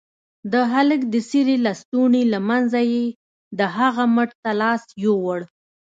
د هلك د څيرې لستوڼي له منځه يې د هغه مټ ته لاس يووړ.